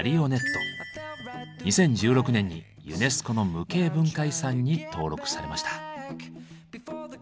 ２０１６年にユネスコの無形文化遺産に登録されました。